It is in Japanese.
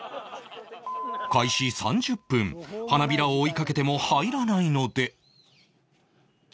開始３０分花びらを追いかけても入らないので